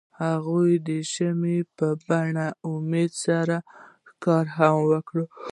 هغوی د ژمنې په بڼه امید سره ښکاره هم کړه.